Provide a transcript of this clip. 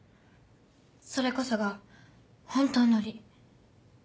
それこそが本当の利。